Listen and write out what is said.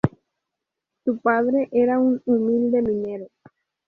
Su padre era un humilde minero.